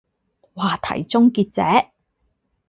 話題終結者